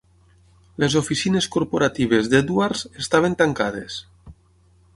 Les oficines corporatives d'Edwards estaven tancades.